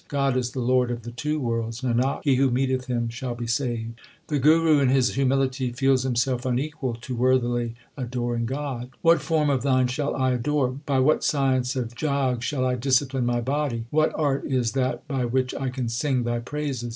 God is the Lord of the two worlds Nanak, he who meeteth Him shall be saved. The Guru in his humility feels himself unequal to worthily adoring God : What form of Thine shall I adore ? By what science of Jog shall I discipline my body ? What art is that by which I can sing Thy praises